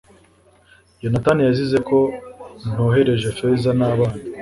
yonatani yazize ko ntohereje feza n'abana